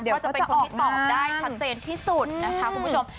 เดี๋ยวก็จะออกงานเดี๋ยวก็จะเป็นคนที่ตอบได้ชัดเจนที่สุดนะคะคุณผู้ชม